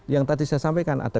yang tadi saya sampaikan